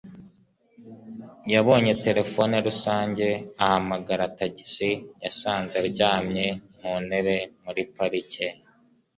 Yabonye terefone rusange ahamagara tagisi. Yasanze aryamye ku ntebe muri parike.